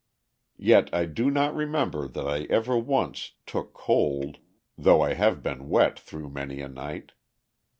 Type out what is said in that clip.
Yet I do not remember that I ever once "took cold," though I have been wet through many a night.